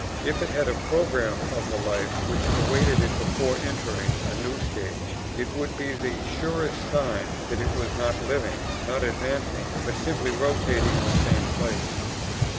If it had a programme of the life which awaited it before entering a new stage, it would be the surest sign that it was not living, nor advancing, but simply rotating in the same place.